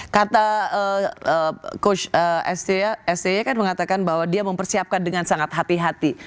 kata coach sy kan mengatakan bahwa dia mempersiapkan dengan sangat hati hati